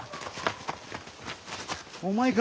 お前か。